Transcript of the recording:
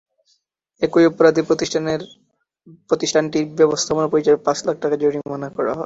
একই অপরাধে প্রতিষ্ঠানটির ব্যবস্থাপনা পরিচালককে পাঁচ লাখ টাকা জরিমানা করা হয়।